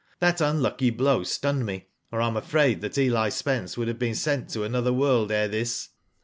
That unlucky blow stunned me, or I am afraid that Eli Spence would have been sent to another world ere this."